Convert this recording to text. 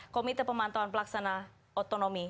komite pemantauan pelaksana otonomi